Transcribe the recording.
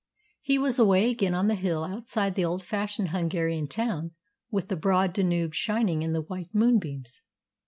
He was away again on the hill outside the old fashioned Hungarian town, with the broad Danube shining in the white moonbeams.